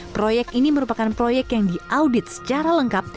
proyek ini merupakan proyek yang diaudit secara lengkap